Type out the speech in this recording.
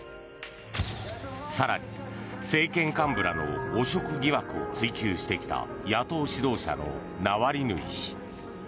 更に、政権幹部らの汚職疑惑を追及してきた野党指導者のナワリヌイ氏。